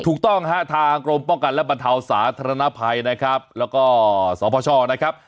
ถูกต้องฮะทางกรมป้องกันและบรรเทาสาธารณภัยนะครับแล้วก็สพชนะครับ